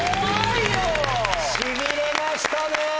しびれましたね！